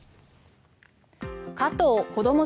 加藤こども